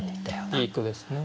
いい句ですね。